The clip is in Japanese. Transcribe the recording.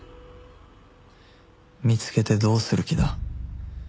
見つけてどうする気だ？